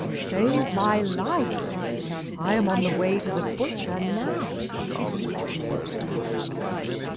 "Save my life! I am on the way to the butcher now," replied Brindle Cow.